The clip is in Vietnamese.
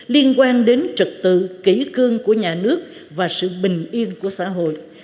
liên quan đến trật tự kỷ cương của nhà nước và sự bình yên của xã hội